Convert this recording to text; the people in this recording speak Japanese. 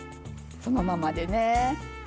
そのままでね。